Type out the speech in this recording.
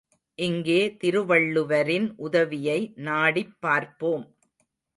இங்கே திருவள்ளுவரின் உதவியை நாடிப்பார்ப்போம்.